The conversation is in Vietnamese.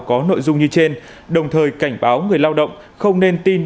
có nội dung như trên đồng thời cảnh báo người lao động không nên tin